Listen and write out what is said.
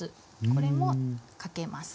これもかけます。